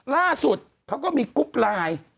ล่าสุดเขาก็มีกรุ๊ปไลน์